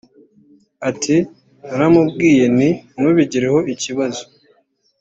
Ati “Naramubwiye nti ‘Ntubigireho ikibazo